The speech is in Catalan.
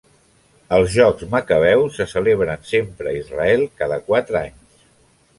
Els Jocs Macabeus se celebren sempre a Israel cada quatre anys.